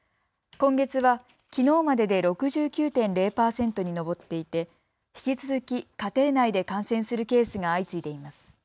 今月は、きのうまでで６９．０％に上っていて引き続き、家庭内で感染するケースが相次いでいます。